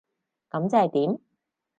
噉即係點？